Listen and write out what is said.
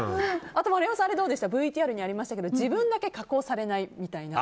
あと、丸山さんＶＴＲにありましたけど自分だけ加工されないみたいな。